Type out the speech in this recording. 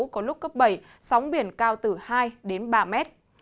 có lúc cấp bảy sóng biển cao từ hai đến ba mét